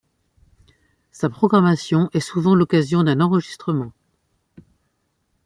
Sa programmation est souvent l'occasion d'un enregistrement.